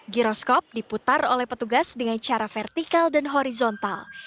giroskop diputar oleh petugas dengan cara vertikal dan horizontal